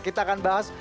kita akan bahas